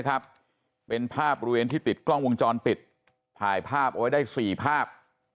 ครับเป็นภาพอุดเวียนที่ติดกล้องวงจรปิดขายภาพได้๔ภาพ